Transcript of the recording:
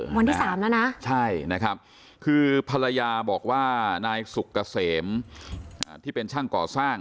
วันที่๓แล้วนะ